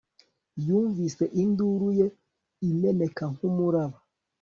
yumvise induru ye imeneka nkumuraba